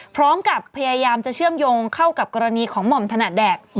พร้อมกับพยายามจะเชื่อมโยงเข้ากับกรณีของหม่อมถนัดแดก